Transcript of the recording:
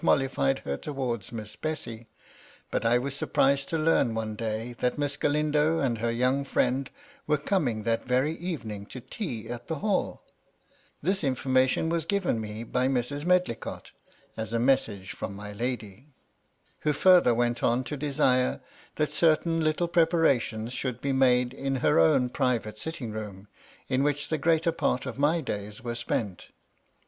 mollified her towards Miss Bessy; but I was surprised to learn one day that Miss Galindo and her young friend were coming that very evening to tea at the HalL This information was given me by Mrs. Medlicott, as a message from my lady, who further went on to desire that certain Kttle preparations should be made in her own private sitting room, in which the greater part of my days were spent.